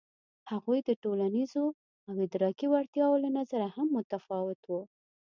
هغوی د ټولنیزو او ادراکي وړتیاوو له نظره هم متفاوت وو.